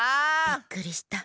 びっくりした。